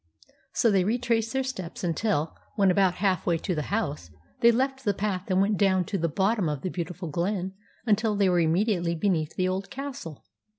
So they retraced their steps until, when about half way to the house, they left the path and went down to the bottom of the beautiful glen until they were immediately beneath the old castle.